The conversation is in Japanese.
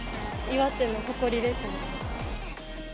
岩手の誇りですね。